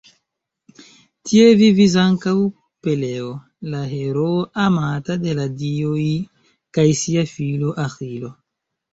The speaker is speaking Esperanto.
Tie vivis ankaŭ Peleo, la heroo amata de la dioj, kaj sia filo Aĥilo.